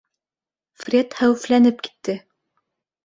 Фред хәүефләнеп китте.